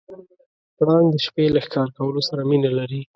پړانګ د شپې له ښکار کولو سره مینه لري.